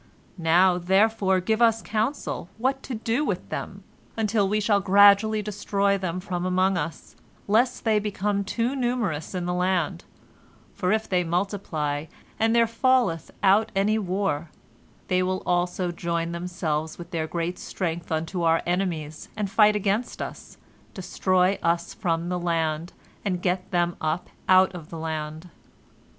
Now, therefore, give us counsel what to do with them, until we shall gradually destroy them from among us, lest they become too numerous in the land, for if they multiply, and there falleth out any war, they will also join themselves with their great strength unto our enemies, and fight against us, destroy us from the land, and get them up out of the land."